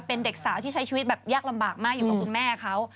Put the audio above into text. เป็นเด็กสาวที่ใช้ชีวิตแบบยากลำบากมากอยู่กับคุณแม่เขา